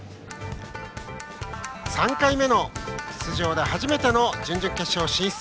３回目の出場で初めての準々決勝進出。